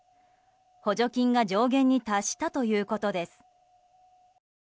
補助金が上限に達したということです。